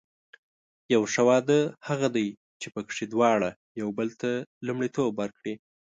یو ښه واده هغه دی چې پکې دواړه یو بل ته لومړیتوب ورکړي.